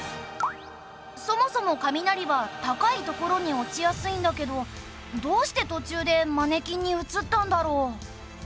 そもそも雷は高い所に落ちやすいんだけどどうして途中でマネキンに移ったんだろう？